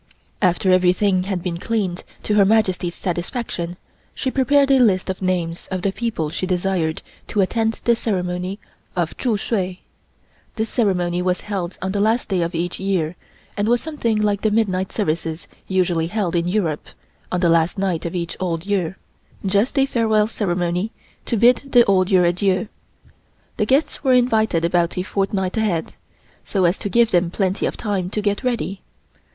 After everything had been cleaned to Her Majesty's satisfaction, she prepared a list of names of the people she desired to attend the ceremony of Tzu Sui. This ceremony was held on the last day of each year and was something like the midnight services usually held in Europe on the last night of each old year just a farewell ceremony to bid the old year adieu. The guests were invited about a fortnight ahead, so as to give them plenty of time to get ready.